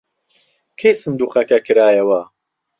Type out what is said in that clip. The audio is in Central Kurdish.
کەی سندووقەکە کرایەوە؟